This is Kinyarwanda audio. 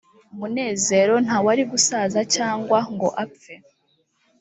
munezero nta wari gusaza cyangwa ngo apfe